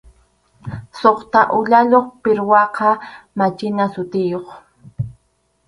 Suqta uyayuq pirwaqa machina sutiyuq.